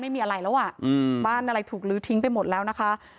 ไม่มีอะไรแล้วอ่ะอืมบ้านอะไรถูกลื้อทิ้งไปหมดแล้วนะคะ